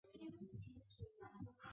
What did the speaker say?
参赛者年龄必须六岁或以上。